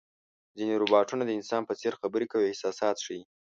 ځینې روباټونه د انسان په څېر خبرې کوي او احساسات ښيي.